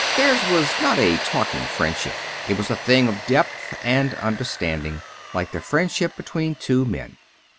Theirs was not a talking friendship. It was a thing of depth and understanding, like the friendship between two men.